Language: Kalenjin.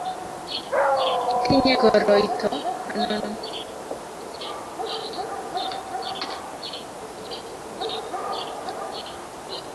itinye koroito anonon?